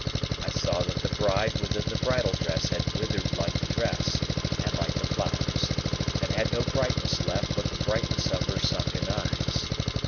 I saw that the bride within the bridal dress had withered like the dress, and like the flowers, and had no brightness left but the brightness of her sunken eyes.